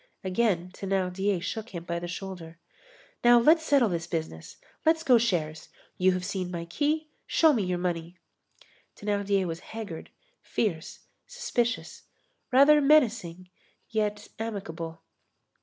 Again Thénardier shook him by the shoulder. "Now let's settle this business. Let's go shares. You have seen my key, show me your money." Thénardier was haggard, fierce, suspicious, rather menacing, yet amicable.